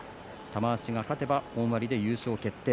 玉鷲が勝てば本割で優勝決定。